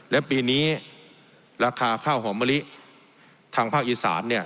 และปีนี้ราคาข้าวหอมมะลิทางภาคอีสาน